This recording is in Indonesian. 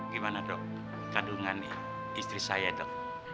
gimana dok kandungan istri saya dok